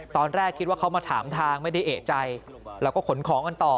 ตอนแรกคิดว่าเขามาถามทางไม่ได้เอกใจแล้วก็ขนของกันต่อ